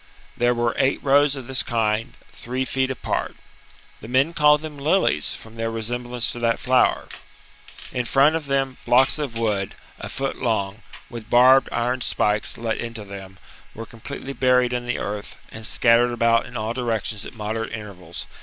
There were eight rows of this kind, three feet apart. The men called them lilies, from their resemblance to that flower. In front of them blocks of wood a foot long, with barbed iron spikes let into them, were completely buried in the earth and scattered about in all directions at moderate intervals.